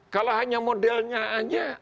kalau hanya modelnya aja